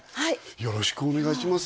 よろしくお願いします